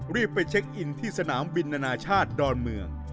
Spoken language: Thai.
รีบไปเช็คอินที่สนามบินอนาชาติดอนเมือง